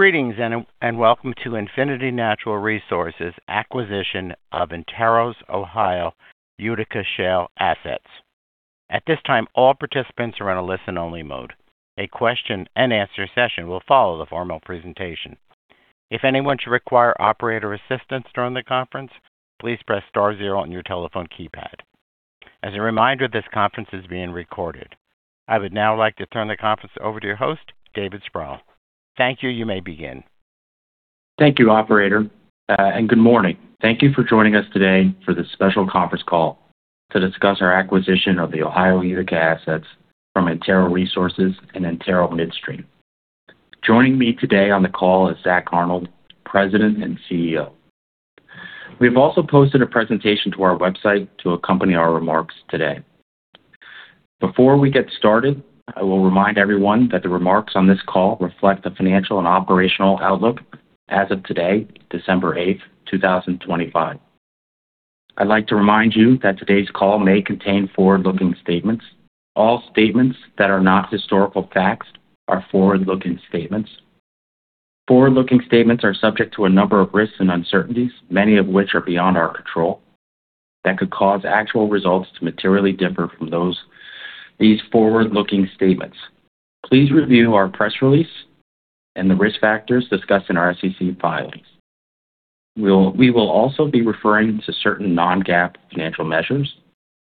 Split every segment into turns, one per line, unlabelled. Greetings and welcome to Infinity Natural Resources' acquisition of Antero's Ohio Utica Shale assets. At this time, all participants are in a listen-only mode. A question-and-answer session will follow the formal presentation. If anyone should require operator assistance during the conference, please press star zero on your telephone keypad. As a reminder, this conference is being recorded. I would now like to turn the conference over to your host, David Sproule. Thank you. You may begin.
Thank you, Operator, and good morning. Thank you for joining us today for this special conference call to discuss our acquisition of the Ohio Utica assets from Antero Resources and Antero Midstream. Joining me today on the call is Zack Arnold, President and CEO. We have also posted a presentation to our website to accompany our remarks today. Before we get started, I will remind everyone that the remarks on this call reflect the financial and operational outlook as of today, December 8th, 2025. I'd like to remind you that today's call may contain forward-looking statements. All statements that are not historical facts are forward-looking statements. Forward-looking statements are subject to a number of risks and uncertainties, many of which are beyond our control, that could cause actual results to materially differ from those these forward-looking statements. Please review our press release and the risk factors discussed in our SEC filings. We will also be referring to certain non-GAAP financial measures.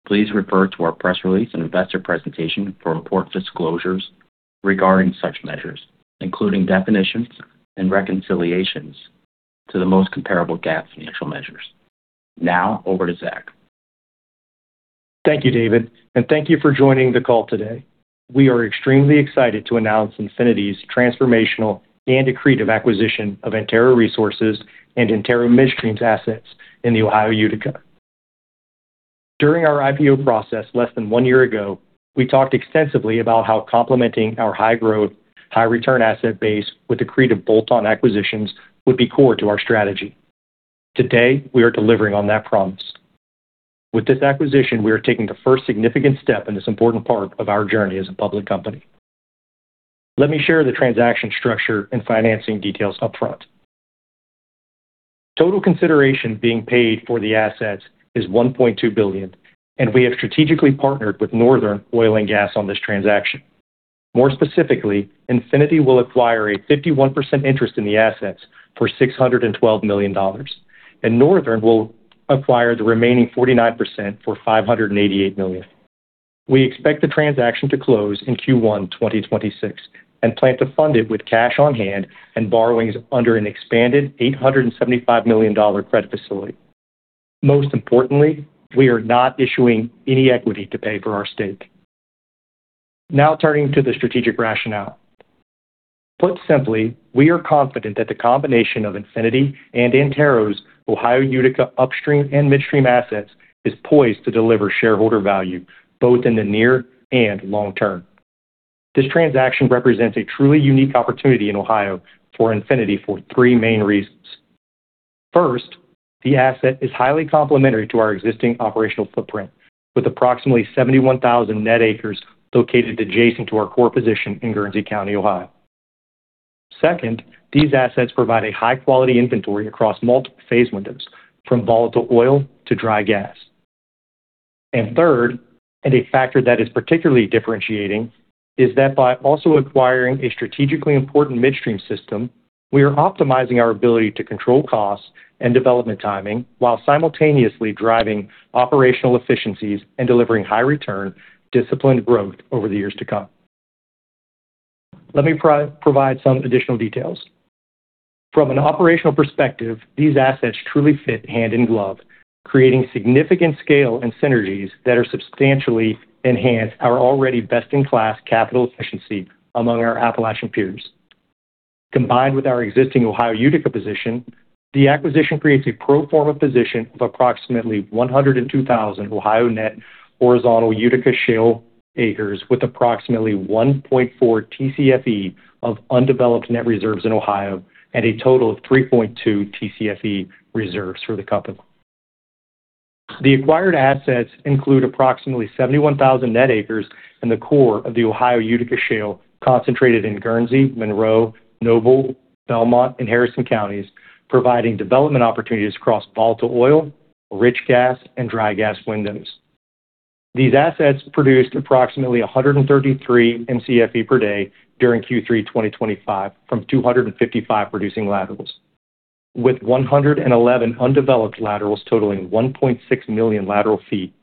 Please refer to our press release and investor presentation for important disclosures regarding such measures, including definitions and reconciliations to the most comparable GAAP financial measures. Now, over to Zack.
Thank you, David, and thank you for joining the call today. We are extremely excited to announce Infinity's transformational and accretive acquisition of Antero Resources and Antero Midstream's assets in the Ohio Utica. During our IPO process less than one year ago, we talked extensively about how complementing our high-growth, high-return asset base with accretive bolt-on acquisitions would be core to our strategy. Today, we are delivering on that promise. With this acquisition, we are taking the first significant step in this important part of our journey as a public company. Let me share the transaction structure and financing details upfront. Total consideration being paid for the assets is $1.2 billion, and we have strategically partnered with Northern Oil and Gas on this transaction. More specifically, Infinity will acquire a 51% interest in the assets for $612 million, and Northern will acquire the remaining 49% for $588 million. We expect the transaction to close in Q1 2026 and plan to fund it with cash on hand and borrowings under an expanded $875 million credit facility. Most importantly, we are not issuing any equity to pay for our stake. Now, turning to the strategic rationale. Put simply, we are confident that the combination of Infinity and Antero's Ohio Utica upstream and midstream assets is poised to deliver shareholder value both in the near and long term. This transaction represents a truly unique opportunity in Ohio for Infinity for three main reasons. First, the asset is highly complementary to our existing operational footprint, with approximately 71,000 net acres located adjacent to our core position in Guernsey County, Ohio. Second, these assets provide a high-quality inventory across multiple phase windows, from volatile oil to dry gas. And third, and a factor that is particularly differentiating, is that by also acquiring a strategically important midstream system, we are optimizing our ability to control costs and development timing while simultaneously driving operational efficiencies and delivering high-return, disciplined growth over the years to come. Let me provide some additional details. From an operational perspective, these assets truly fit hand in glove, creating significant scale and synergies that are substantially enhancing our already best-in-class capital efficiency among our Appalachian peers. Combined with our existing Ohio Utica position, the acquisition creates a pro forma position of approximately 102,000 Ohio net horizontal Utica Shale acres with approximately 1.4 Tcfe of undeveloped net reserves in Ohio and a total of 3.2 Tcfe reserves for the company. The acquired assets include approximately 71,000 net acres in the core of the Ohio Utica Shale concentrated in Guernsey, Monroe, Noble, Belmont, and Harrison counties, providing development opportunities across volatile oil, rich gas, and dry gas windows. These assets produced approximately 133 Mcfe per day during Q3 2025 from 255 producing laterals, with 111 undeveloped laterals totaling 1.6 million lateral feet,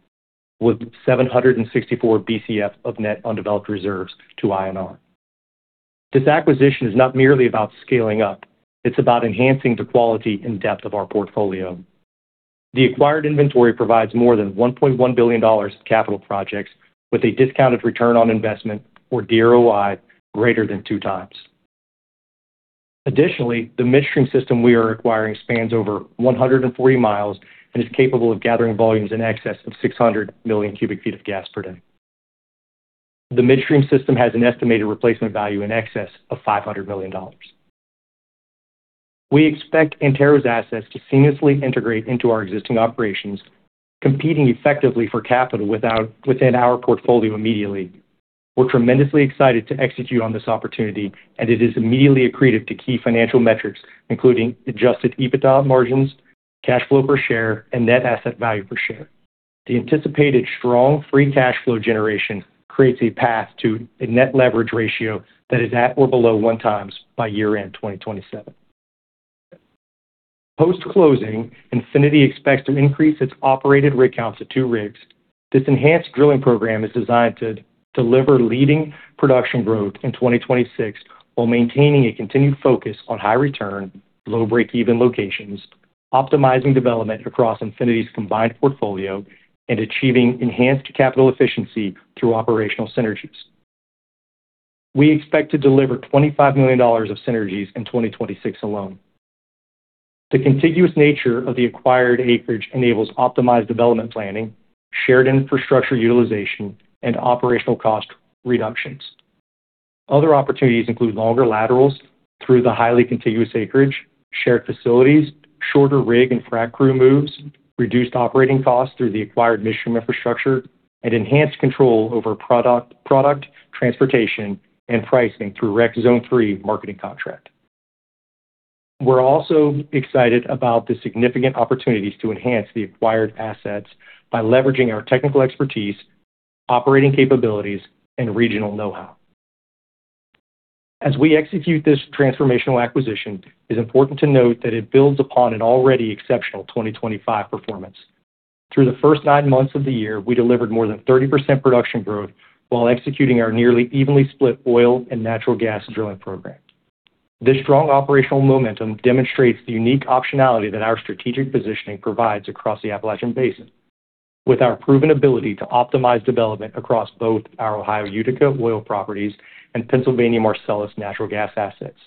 with 764 Bcf of net undeveloped reserves to INR. This acquisition is not merely about scaling up. It's about enhancing the quality and depth of our portfolio. The acquired inventory provides more than $1.1 billion capital projects with a discounted return on investment, or DROI, greater than two times. Additionally, the midstream system we are acquiring spans over 140 miles and is capable of gathering volumes in excess of 600 million cubic feet of gas per day. The midstream system has an estimated replacement value in excess of $500 million. We expect Antero's assets to seamlessly integrate into our existing operations, competing effectively for capital within our portfolio immediately. We're tremendously excited to execute on this opportunity, and it is immediately accretive to key financial metrics, including adjusted EBITDA margins, cash flow per share, and net asset value per share. The anticipated strong free cash flow generation creates a path to a net leverage ratio that is at or below one times by year-end 2027. Post-closing, Infinity expects to increase its operated rig counts to two rigs. This enhanced drilling program is designed to deliver leading production growth in 2026 while maintaining a continued focus on high-return, low-break-even locations, optimizing development across Infinity's combined portfolio, and achieving enhanced capital efficiency through operational synergies. We expect to deliver $25 million of synergies in 2026 alone. The contiguous nature of the acquired acreage enables optimized development planning, shared infrastructure utilization, and operational cost reductions. Other opportunities include longer laterals through the highly contiguous acreage, shared facilities, shorter rig and frac crew moves, reduced operating costs through the acquired midstream infrastructure, and enhanced control over product transportation and pricing through REX Zone 3 marketing contract. We're also excited about the significant opportunities to enhance the acquired assets by leveraging our technical expertise, operating capabilities, and regional know-how. As we execute this transformational acquisition, it is important to note that it builds upon an already exceptional 2025 performance. Through the first nine months of the year, we delivered more than 30% production growth while executing our nearly evenly split oil and natural gas drilling program. This strong operational momentum demonstrates the unique optionality that our strategic positioning provides across the Appalachian Basin, with our proven ability to optimize development across both our Ohio Utica oil properties and Pennsylvania Marcellus natural gas assets.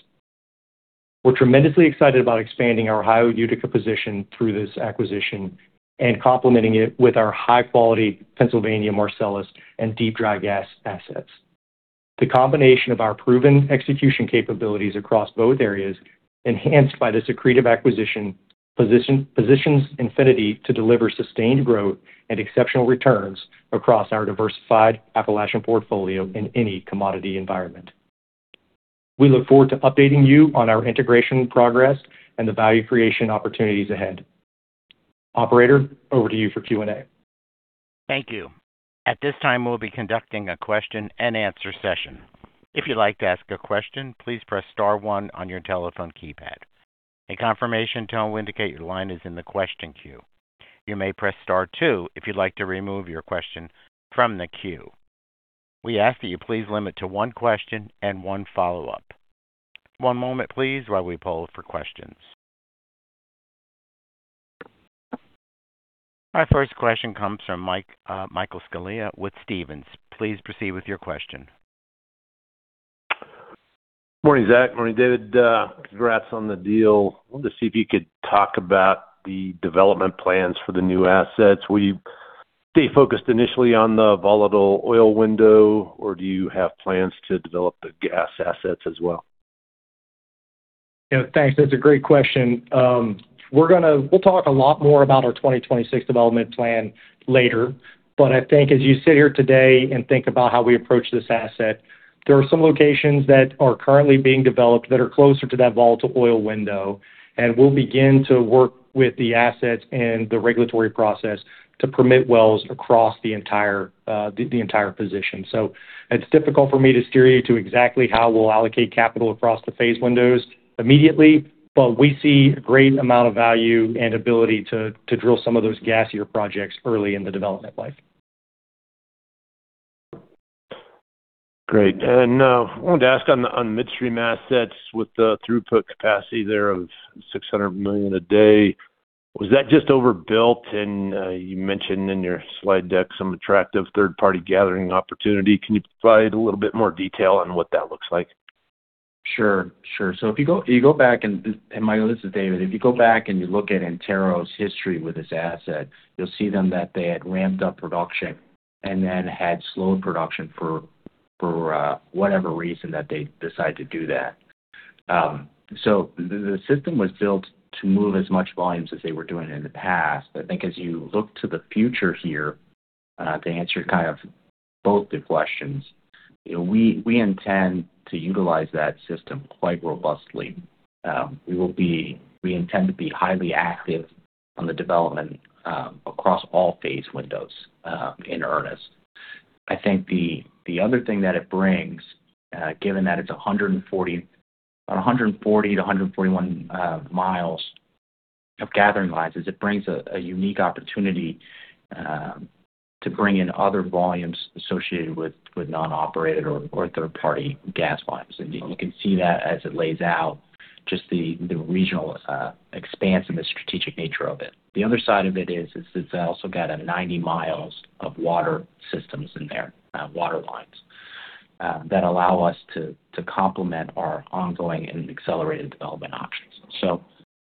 We're tremendously excited about expanding our Ohio Utica position through this acquisition and complementing it with our high-quality Pennsylvania Marcellus and deep dry gas assets. The combination of our proven execution capabilities across both areas, enhanced by this accretive acquisition, positions Infinity to deliver sustained growth and exceptional returns across our diversified Appalachian portfolio in any commodity environment. We look forward to updating you on our integration progress and the value creation opportunities ahead. Operator, over to you for Q&A.
Thank you. At this time, we'll be conducting a question and answer session. If you'd like to ask a question, please press star one on your telephone keypad. A confirmation tone will indicate your line is in the question queue. You may press star two if you'd like to remove your question from the queue. We ask that you please limit to one question and one follow-up. One moment, please, while we poll for questions. Our first question comes from Michael Scialla with Stephens. Please proceed with your question.
Morning, Zack. Morning, David. Congrats on the deal. I wanted to see if you could talk about the development plans for the new assets. Will you stay focused initially on the volatile oil window, or do you have plans to develop the gas assets as well?
Thanks. That's a great question. We'll talk a lot more about our 2026 development plan later, but I think as you sit here today and think about how we approach this asset, there are some locations that are currently being developed that are closer to that volatile oil window, and we'll begin to work with the assets and the regulatory process to permit wells across the entire position. So it's difficult for me to steer you to exactly how we'll allocate capital across the phase windows immediately, but we see a great amount of value and ability to drill some of those gassier projects early in the development life.
Great. And I wanted to ask on the midstream assets with the throughput capacity there of 600 million a day. Was that just overbuilt, and you mentioned in your slide deck some attractive third-party gathering opportunity? Can you provide a little bit more detail on what that looks like?
Sure. Sure. So if you go back, and Michael, this is David. If you go back and you look at Antero's history with this asset, you'll see that they had ramped up production and then had slowed production for whatever reason that they decided to do that. So the system was built to move as much volumes as they were doing in the past. I think as you look to the future here, to answer kind of both the questions, we intend to utilize that system quite robustly. We intend to be highly active on the development across all phase windows in earnest. I think the other thing that it brings, given that it's about 140-141 miles of gathering lines, is it brings a unique opportunity to bring in other volumes associated with non-operated or third-party gas lines. And you can see that as it lays out just the regional expanse and the strategic nature of it. The other side of it is it's also got 90 miles of water systems in there, water lines, that allow us to complement our ongoing and accelerated development options. So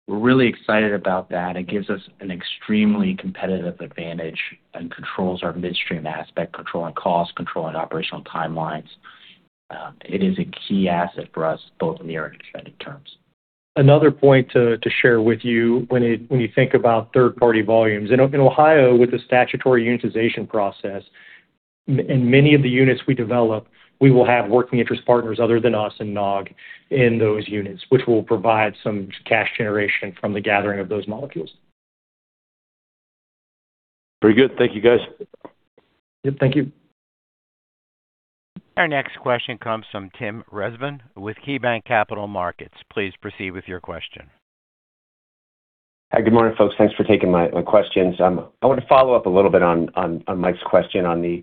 we're really excited about that. It gives us an extremely competitive advantage and controls our midstream aspect, controlling costs, controlling operational timelines. It is a key asset for us both near and expected terms.
Another point to share with you when you think about third-party volumes. In Ohio, with the statutory unitization process, in many of the units we develop, we will have working interest partners other than us and NOG in those units, which will provide some cash generation from the gathering of those molecules.
Very good. Thank you, guys.
Yep. Thank you.
Our next question comes from Tim Rezvan with KeyBanc Capital Markets. Please proceed with your question.
Hi, good morning, folks. Thanks for taking my questions. I want to follow up a little bit on Mike's question on the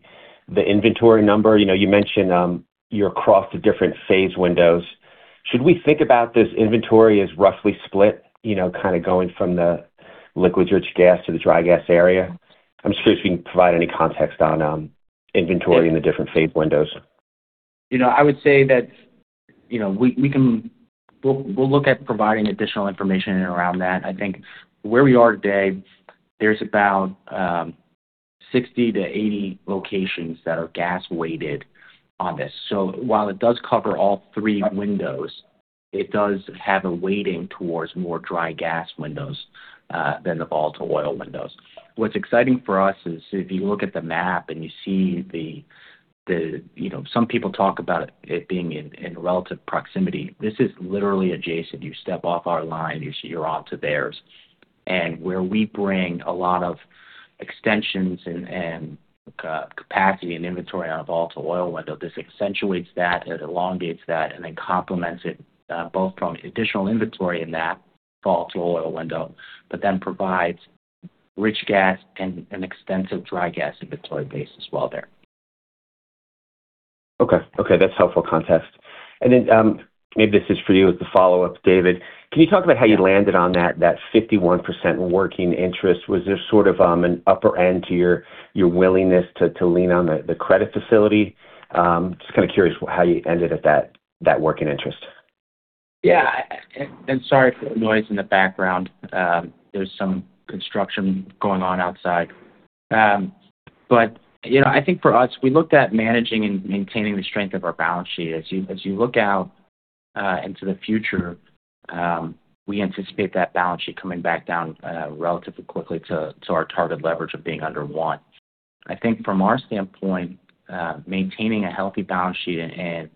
inventory number. You mentioned you're across the different phase windows. Should we think about this inventory as roughly split, kind of going from the liquid-rich gas to the dry gas area? I'm just curious if you can provide any context on inventory and the different phase windows.
I would say that we'll look at providing additional information around that. I think where we are today, there's about 60-80 locations that are gas-weighted on this. So while it does cover all three windows, it does have a weighting towards more dry gas windows than the volatile oil windows. What's exciting for us is if you look at the map and you see, some people talk about it being in relative proximity. This is literally adjacent. You step off our line. You're onto theirs, and where we bring a lot of extensions and capacity and inventory on a volatile oil window, this accentuates that, it elongates that, and then complements it both from additional inventory in that volatile oil window, but then provides rich gas and an extensive dry gas inventory base as well there.
Okay. Okay. That's helpful context. And then maybe this is for you as the follow-up, David. Can you talk about how you landed on that 51% working interest? Was there sort of an upper end to your willingness to lean on the credit facility? Just kind of curious how you ended at that working interest.
Yeah. And sorry for the noise in the background. There's some construction going on outside. But I think for us, we looked at managing and maintaining the strength of our balance sheet. As you look out into the future, we anticipate that balance sheet coming back down relatively quickly to our target leverage of being under one. I think from our standpoint, maintaining a healthy balance sheet and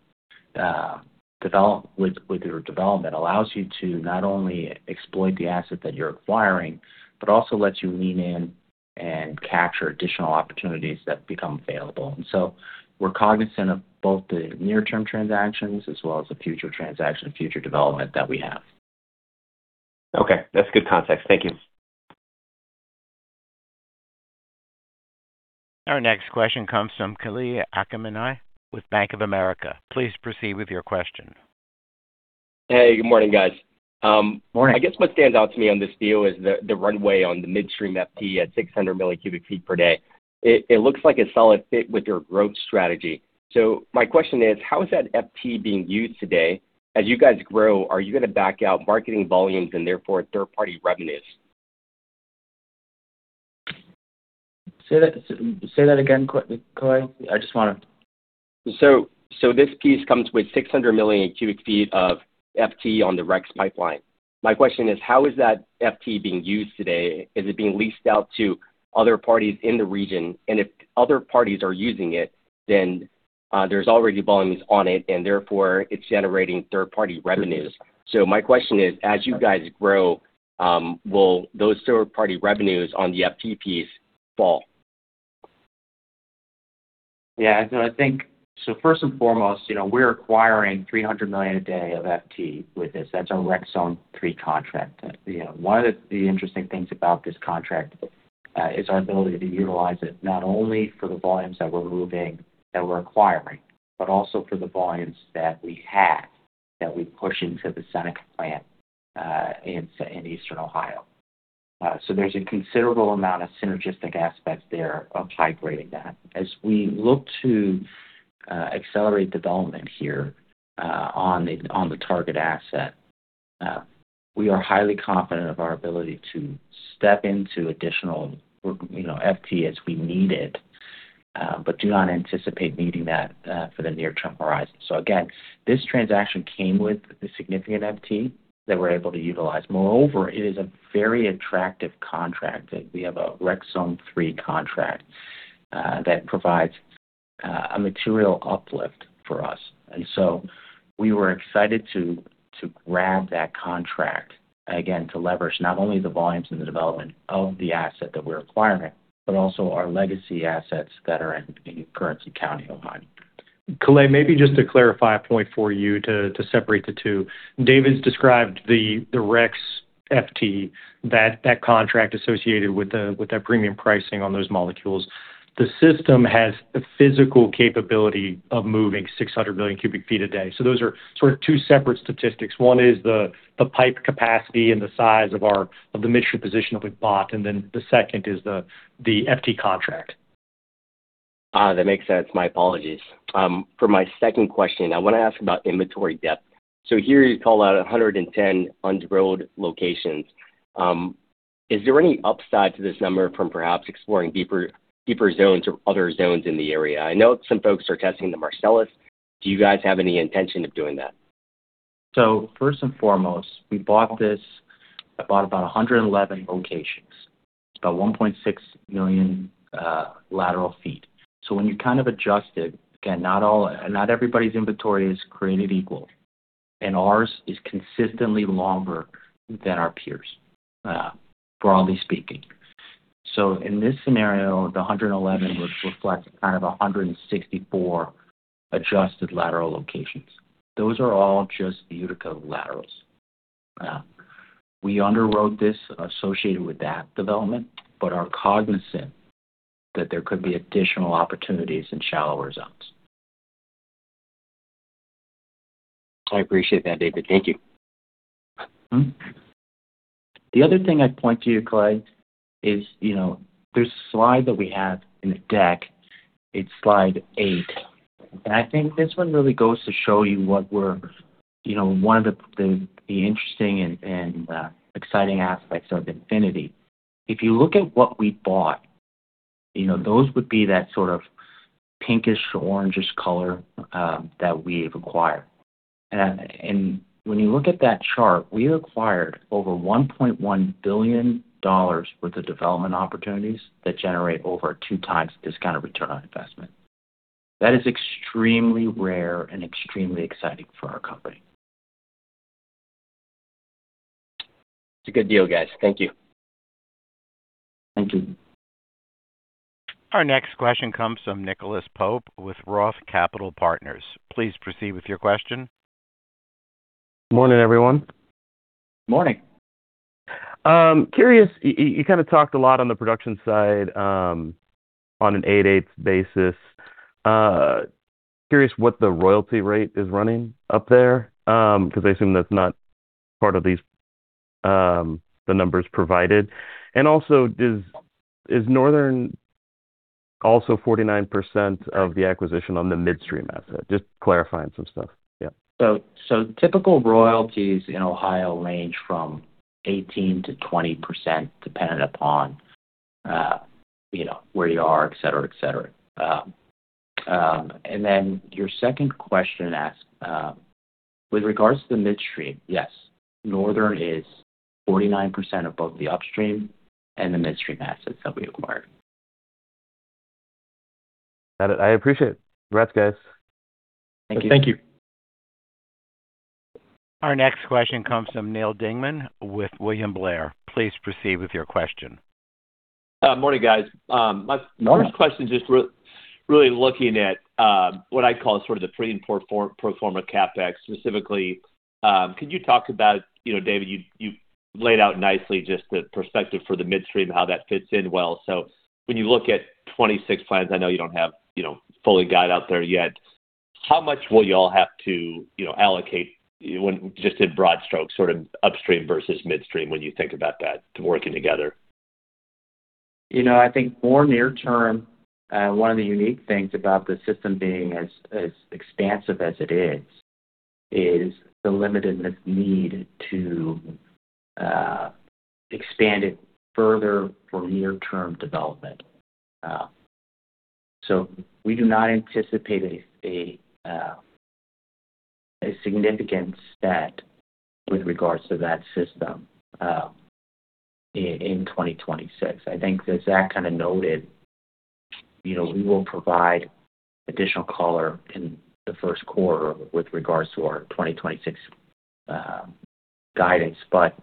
with your development allows you to not only exploit the asset that you're acquiring, but also lets you lean in and capture additional opportunities that become available. And so we're cognizant of both the near-term transactions as well as the future transaction and future development that we have.
Okay. That's good context. Thank you.
Our next question comes from Kalei Akamine with Bank of America. Please proceed with your question.
Hey, good morning, guys. I guess what stands out to me on this deal is the runway on the midstream FT at 600 million cubic feet per day. It looks like a solid fit with your growth strategy. So my question is, how is that FT being used today? As you guys grow, are you going to back out marketing volumes and therefore third-party revenues?
Say that again, Kalei. I just want to.
So this piece comes with 600 million cubic feet of FT on the REX pipeline. My question is, how is that FT being used today? Is it being leased out to other parties in the region? And if other parties are using it, then there's already volumes on it, and therefore it's generating third-party revenues. So my question is, as you guys grow, will those third-party revenues on the FT piece fall?
Yeah. So I think, so first and foremost, we're acquiring 300 million a day of FT with this. That's our REX Zone 3 contract. One of the interesting things about this contract is our ability to utilize it not only for the volumes that we're moving, that we're acquiring, but also for the volumes that we have that we push into the Seneca Plant in eastern Ohio. So there's a considerable amount of synergistic aspects there of utilizing that. As we look to accelerate development here on the target asset, we are highly confident of our ability to step into additional FT as we need it, but do not anticipate needing that for the near-term horizon. So again, this transaction came with the significant FT that we're able to utilize. Moreover, it is a very attractive contract. We have a REX Zone 3 contract that provides a material uplift for us, and so we were excited to grab that contract, again, to leverage not only the volumes and the development of the asset that we're acquiring, but also our legacy assets that are in Guernsey County, Ohio.
Kalei, maybe just to clarify a point for you to separate the two. David's described the REX FT, that contract associated with that premium pricing on those molecules. The system has a physical capability of moving 600 million cubic feet a day. So those are sort of two separate statistics. One is the pipe capacity and the size of the midstream position that we've bought, and then the second is the FT contract.
That makes sense. My apologies. For my second question, I want to ask about inventory depth. So here you call out 110 undrilled locations. Is there any upside to this number from perhaps exploring deeper zones or other zones in the area? I know some folks are testing the Marcellus. Do you guys have any intention of doing that?
So first and foremost, we bought about 111 locations, about 1.6 million lateral feet. So when you kind of adjust it, again, not everybody's inventory is created equal, and ours is consistently longer than our peers, broadly speaking. So in this scenario, the 111 would reflect kind of 164 adjusted lateral locations. Those are all just Utica laterals. We underwrote this associated with that development, but are cognizant that there could be additional opportunities in shallower zones.
I appreciate that, David. Thank you.
The other thing I'd point to you, Kalei, is there's a slide that we have in the deck. It's slide eight, and I think this one really goes to show you what we're one of the interesting and exciting aspects of Infinity. If you look at what we bought, those would be that sort of pinkish-orangish color that we've acquired, and when you look at that chart, we acquired over $1.1 billion worth of development opportunities that generate over a two-times discounted return on investment. That is extremely rare and extremely exciting for our company.
It's a good deal, guys. Thank you.
Thank you.
Our next question comes from Nicholas Pope with Roth Capital Partners. Please proceed with your question.
Good morning, everyone.
Morning.
Curious, you kind of talked a lot on the production side on an eight-eighths basis. Curious what the royalty rate is running up there because I assume that's not part of the numbers provided. And also, is Northern also 49% of the acquisition on the midstream asset? Just clarifying some stuff. Yeah.
So typical royalties in Ohio range from 18%-20% dependent upon where you are, etc., etc. And then your second question asked, with regards to the midstream, yes, Northern is 49% of both the upstream and the midstream assets that we acquired.
Got it. I appreciate it. Congrats, guys.
Thank you.
Thank you.
Our next question comes from Neal Dingman with William Blair. Please proceed with your question.
Morning, guys. My first question is just really looking at what I'd call sort of the pre and pro forma CapEx. Specifically, could you talk about, David, you laid out nicely just the perspective for the midstream, how that fits in well. So when you look at 26 plans, I know you don't have fully got out there yet. How much will y'all have to allocate just in broad strokes, sort of upstream versus midstream when you think about that, working together?
I think more near-term, one of the unique things about the system being as expansive as it is, is the limited need to expand it further for near-term development. So we do not anticipate a significant spend with regards to that system in 2026. I think, as Zack kind of noted, we will provide additional color in the first quarter with regards to our 2026 guidance, but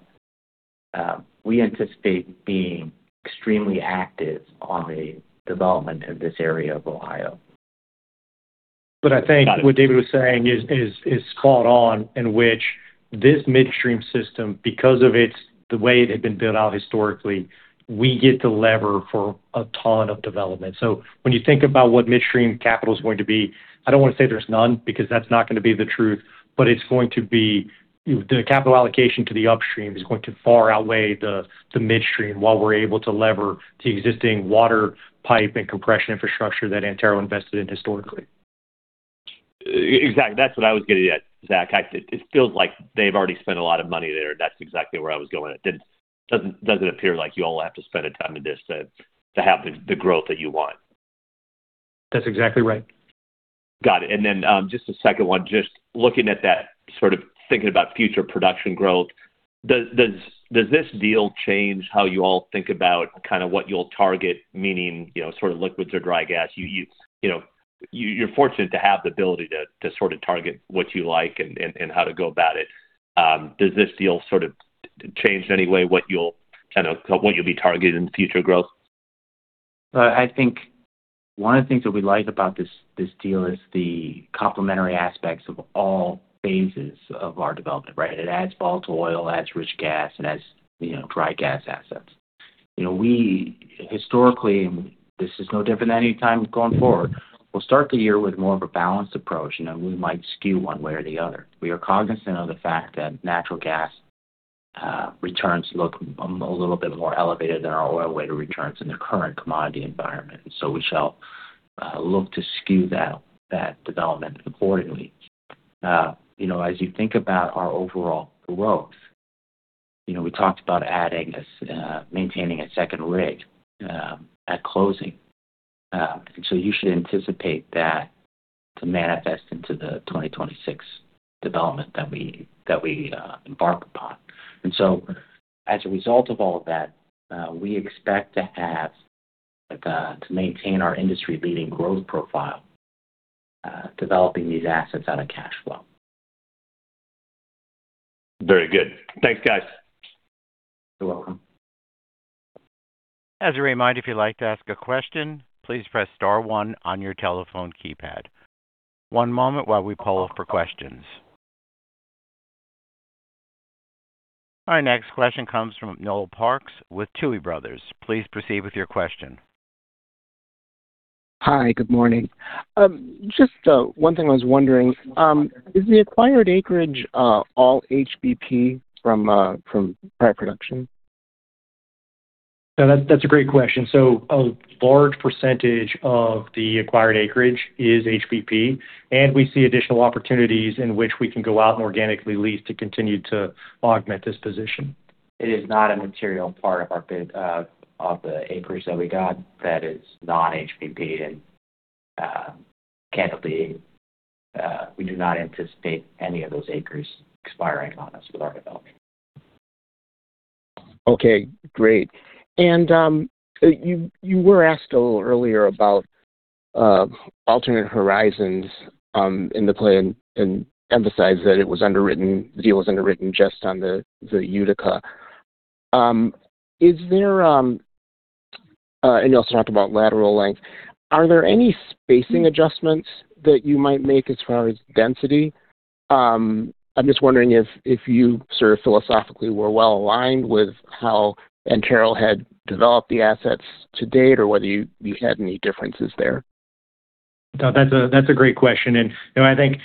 we anticipate being extremely active on the development of this area of Ohio.
But I think what David was saying is spot on in which this midstream system, because of the way it had been built out historically, we get the lever for a ton of development. So when you think about what midstream capital is going to be, I don't want to say there's none because that's not going to be the truth, but it's going to be the capital allocation to the upstream is going to far outweigh the midstream while we're able to lever the existing water pipe and compression infrastructure that Antero invested in historically.
Exactly. That's what I was going to get, Zack. It feels like they've already spent a lot of money there. That's exactly where I was going. It doesn't appear like you all have to spend a ton of this to have the growth that you want.
That's exactly right.
Got it, and then just a second one, just looking at that, sort of thinking about future production growth, does this deal change how you all think about kind of what you'll target, meaning sort of liquids or dry gas? You're fortunate to have the ability to sort of target what you like and how to go about it. Does this deal sort of change in any way what you'll be targeting in future growth?
I think one of the things that we like about this deal is the complementary aspects of all phases of our development, right? It adds volatile oil, adds rich gas, and adds dry gas assets. We historically, and this is no different than any time going forward, will start the year with more of a balanced approach. We might skew one way or the other. We are cognizant of the fact that natural gas returns look a little bit more elevated than our oil-weighted returns in the current commodity environment, and so we shall look to skew that development accordingly. As you think about our overall growth, we talked about maintaining a second rig at closing, and so you should anticipate that to manifest into the 2026 development that we embark upon. As a result of all of that, we expect to maintain our industry-leading growth profile developing these assets out of cash flow.
Very good. Thanks, guys.
You're welcome.
As a reminder, if you'd like to ask a question, please press star one on your telephone keypad. One moment while we pull up for questions. Our next question comes from Noel Parks with Tuohy Brothers. Please proceed with your question.
Hi, good morning. Just one thing I was wondering, is the acquired acreage all HBP from prior production?
That's a great question. So a large percentage of the acquired acreage is HBP, and we see additional opportunities in which we can go out and organically lease to continue to augment this position.
It is not a material part of the acreage that we got that is non-HBP, and candidly, we do not anticipate any of those acreages expiring on us with our development.
Okay. Great. And you were asked a little earlier about alternate horizons in the plan and emphasized that the deal was underwritten just on the Utica. And you also talked about lateral length. Are there any spacing adjustments that you might make as far as density? I'm just wondering if you sort of philosophically were well aligned with how Antero had developed the assets to date or whether you had any differences there?
That's a great question. And I think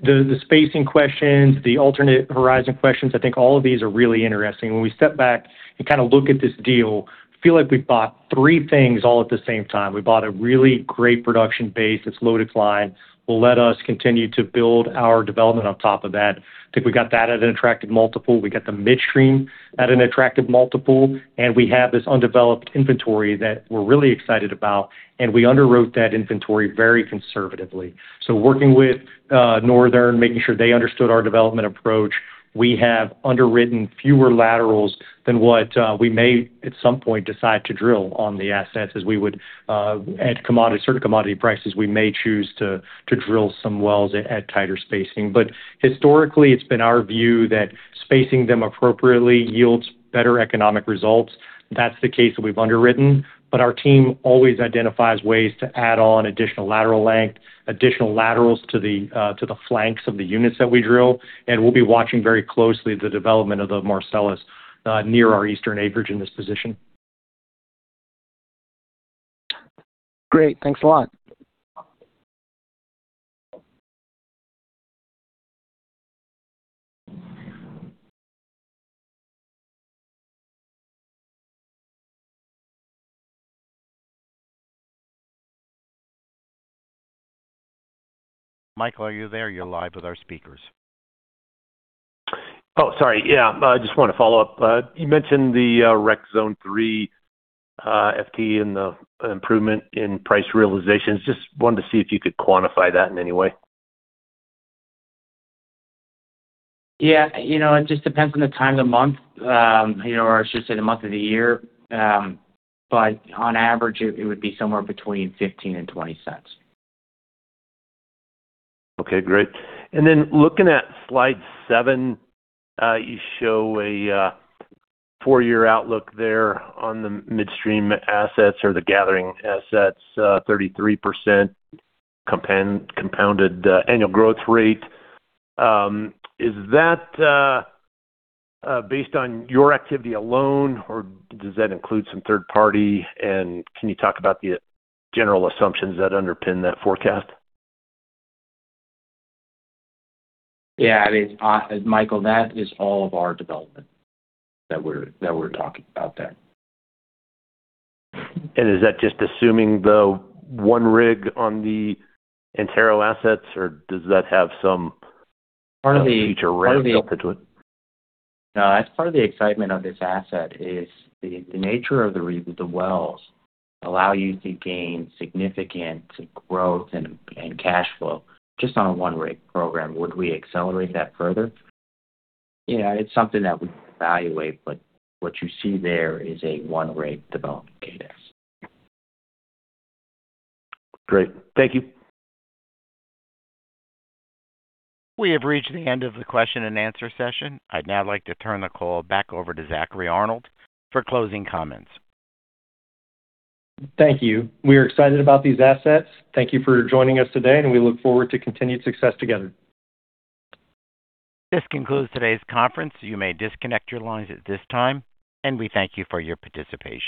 the spacing questions, the alternate horizon questions, I think all of these are really interesting. When we step back and kind of look at this deal, I feel like we've bought three things all at the same time. We bought a really great production base that's low-decline, will let us continue to build our development on top of that. I think we got that at an attractive multiple. We got the midstream at an attractive multiple. And we have this undeveloped inventory that we're really excited about. And we underwrote that inventory very conservatively. So working with Northern, making sure they understood our development approach, we have underwritten fewer laterals than what we may at some point decide to drill on the assets. As we would add certain commodity prices, we may choose to drill some wells at tighter spacing. But historically, it's been our view that spacing them appropriately yields better economic results. That's the case that we've underwritten. But our team always identifies ways to add on additional lateral length, additional laterals to the flanks of the units that we drill. And we'll be watching very closely the development of the Marcellus near our eastern acreage in this position.
Great. Thanks a lot.
Michael, are you there? You're live with our speakers.
Oh, sorry. Yeah. I just want to follow up. You mentioned the REX Zone 3 FT and the improvement in price realization. Just wanted to see if you could quantify that in any way.
Yeah. It just depends on the time of the month, or I should say the month of the year. But on average, it would be somewhere between $0.15 and $0.20.
Okay. Great. And then looking at slide seven, you show a four-year outlook there on the midstream assets or the gathering assets, 33% compounded annual growth rate. Is that based on your activity alone, or does that include some third party? And can you talk about the general assumptions that underpin that forecast?
Yeah. As Michael, that is all of our development that we're talking about there.
Is that just assuming the one rig on the Antero assets, or does that have some future revenue?
No, that's part of the excitement of this asset is the nature of the wells allows you to gain significant growth and cash flow just on a one-rig program. Would we accelerate that further? Yeah. It's something that we evaluate, but what you see there is a one-rig development cadence.
Great. Thank you.
We have reached the end of the question and answer session. I'd now like to turn the call back over to Zack Arnold for closing comments.
Thank you. We are excited about these assets. Thank you for joining us today, and we look forward to continued success together.
This concludes today's conference. You may disconnect your lines at this time, and we thank you for your participation.